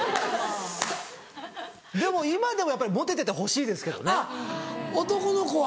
でも今でもやっぱりモテててほしいですけどね。男の子は。